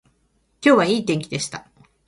今日はいい天気でした